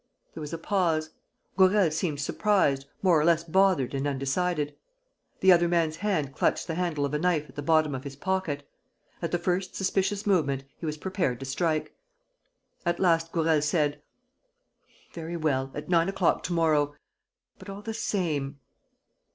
There was a pause. Gourel seemed surprised, more or less bothered and undecided. The other man's hand clutched the handle of a knife at the bottom of his pocket. At the first suspicious movement, he was prepared to strike. At last, Gourel said: "Very well. ... At nine o'clock to morrow. ... But, all the same